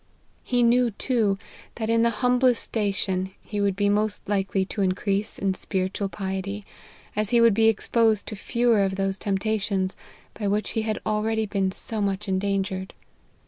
He knew, too, that in the humblest station he would be most likely to increase in spiritual piety, as he would be ex posed to fewer of those temptations, by which he had already been so much endangered.